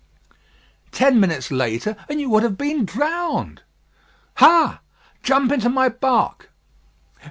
"Ten minutes later, and you would have been drowned." "Ha!" "Jump into my bark."